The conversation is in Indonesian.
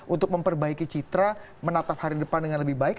untuk memperbaiki citra menatap hari depan dengan lebih baik